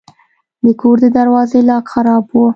د کور د دروازې لاک خراب و.